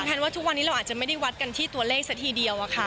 ว่าทุกวันนี้เราอาจจะไม่ได้วัดกันที่ตัวเลขซะทีเดียวอะค่ะ